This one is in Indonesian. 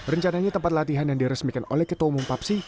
rencananya tempat latihan yang diresmikan oleh ketua umum papsi